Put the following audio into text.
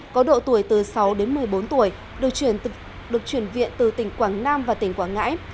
có độ tuổi từ sáu đến một mươi bốn tuổi được chuyển viện từ tỉnh quảng nam và tỉnh quảng ngãi